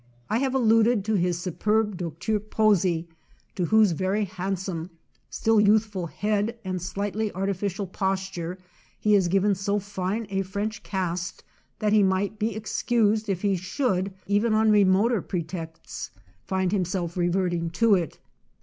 I have alluded to his superb " Docteur Pozzi," to whose very handsome, still youthful head and slightly artificial posture he has given so fine a French cast that he mig"ht be ex cused if he should, even on remoter pre texts, find himself reverting to it.